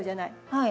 はい。